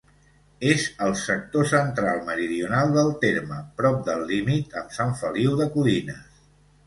És al sector central-meridional del terme, prop del límit amb Sant Feliu de Codines.